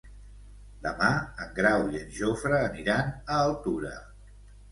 Demà en Grau i en Jofre aniran a Altura.